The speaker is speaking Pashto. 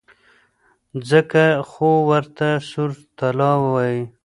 ځکه خو ورته سور طلا وايي.